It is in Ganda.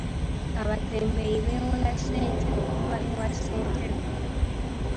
Abatembeeyi beewola ssente okuva ewa ssentebe.